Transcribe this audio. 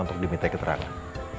untuk diminta keterangan